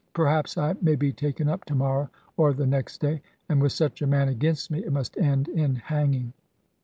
Perhaps I may be taken up to morrow, or the next day. And with such a man against me, it must end in hanging."